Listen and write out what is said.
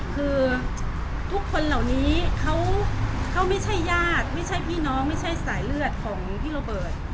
คือทุกคนเหล่านี้เขาไม่ใช่ญาติไม่ใช่พี่น้องไม่ใช่สายเลือดของพี่โรเบิร์ต